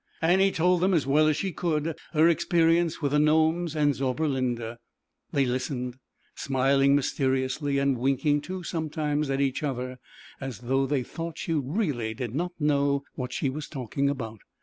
Annie told them, as well as she could, her experience with the Gnomes and Zauberlinda. They listened, smiling mysteriously and winking too, sometimes, at each other as though they thought she really did not know what she was talk ing about.